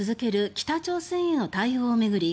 北朝鮮への対応を巡り